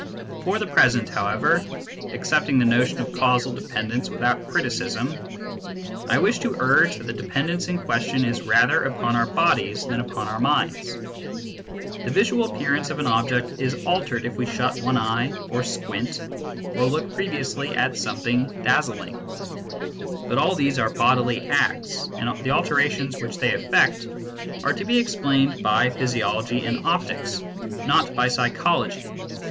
For the present, however, accepting the notion of causal dependence without criticism, I wish to urge that the dependence in question is rather upon our bodies than upon our minds. The visual appearance of an object is altered if we shut one eye, or squint, or look previously at something dazzling ; but all these are bodily acts, and the alterations which they effect are to be explained by physiology and optics, not by psychology.